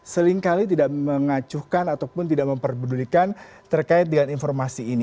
sering kali tidak mengacuhkan ataupun tidak memperbenulikan terkait dengan informasi ini